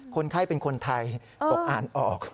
คนไข้เป็นคนไทยบอกอ่านออก